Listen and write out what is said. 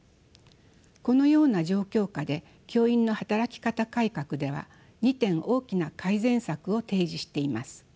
このような状況下で教員の働き方改革では２点大きな改善策を提示しています。